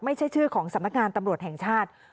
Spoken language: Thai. ไม่ใช่ชื่อของสำนักงานตำรวจแห่งชาติ